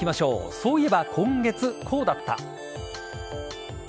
そういえば今月こうだった。